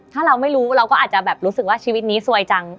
ถ้าเราไม่รู้เราก็อาจจะแบบรู้สึกว่าชีวิตนี้ซวยจัง